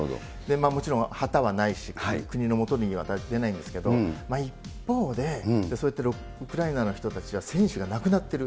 もちろん旗はないし、国の下には出ないんですけれども、一方でそういったウクライナの人たちは選手が亡くなっている。